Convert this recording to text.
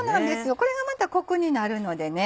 これがまたコクになるのでね